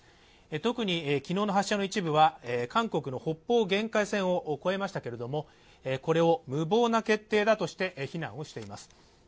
特に昨日の発射の一部は韓国の北方限界線を越えましたけれどもこれを無謀な決定だとして非難しています。